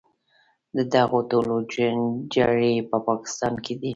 د دغو ټولو جرړې په پاکستان کې دي.